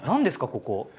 ここ。